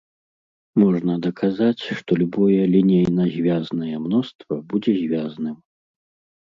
Можна даказаць, што любое лінейна звязнае мноства будзе звязным.